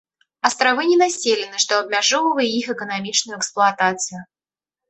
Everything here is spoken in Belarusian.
Астравы ненаселены, што абмяжоўвае іх эканамічную эксплуатацыю.